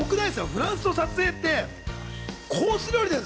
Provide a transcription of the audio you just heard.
フランスの撮影って。